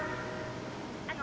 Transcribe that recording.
あの。